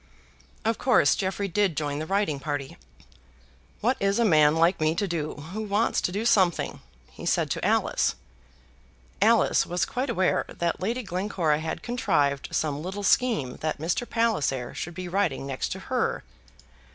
Of course Jeffrey did join the riding party. "What is a man like me to do who wants to do something?" he said to Alice. Alice was quite aware that Lady Glencora had contrived some little scheme that Mr. Palliser should be riding next to her.